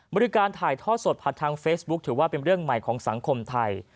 บริการถ่ายทอดสดผ่านทางเฟซบุ๊คถือว่าเป็นเรื่องใหม่ของสังคมไทย